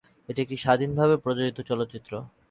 এটি একটি স্বাধীনভাবে প্রযোজিত চলচ্চিত্র।